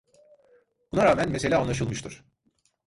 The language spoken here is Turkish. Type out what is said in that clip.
Buna rağmen mesele anlaşılmıştır.